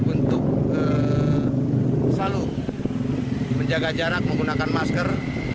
untuk selalu menjaga jarak menggunakan masker